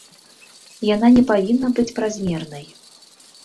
Яна не павінна быць празмернай.